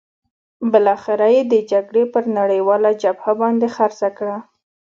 بالاخره یې د جګړې پر نړیواله جبهه باندې خرڅه کړه.